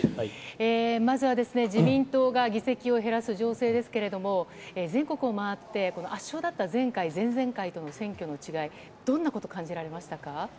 まずはですね、自民党が議席を減らす情勢ですけれども、全国を回って、この圧勝だった前回、前々回との選挙の違い、どんなこと感じられましたか。